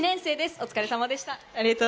お疲れ様でした。